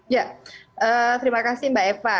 ya terima kasih mbak eva